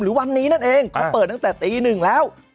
วันนี้นั่นเองเขาเปิดตั้งแต่ตีหนึ่งแล้ว